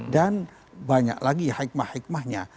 dan banyak lagi hikmah hikmahnya